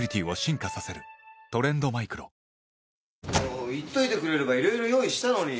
もう言っといてくれればいろいろ用意したのに。